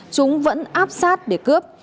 chúng vẫn áp sát để cướp